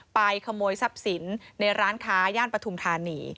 ไปขโมยทรัพย์สินในร้านค้าย่านปฐุมธานี